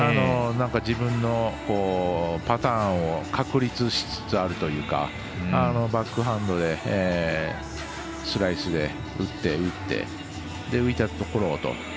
自分のパターンを確立しつつあるというかバックハンドでスライスで打って、打って浮いたところと。